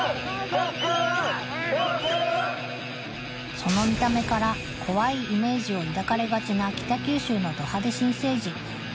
その見た目から怖いイメージを抱かれがちな北九州のド派手新成人